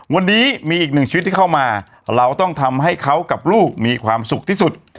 วันนี้มีอีกหนึ่งชีวิตที่เข้ามาเราต้องทำให้เขากับลูกมีความสุขที่สุด